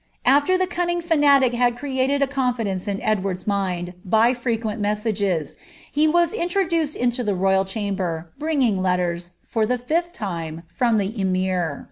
Afler the cunning fanatic had confidence in Edward's mind by frequent messages, he was [ into the royal chamber, bringing letters, for the fifth time, rmir.